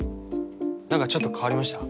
なんかちょっと変わりました？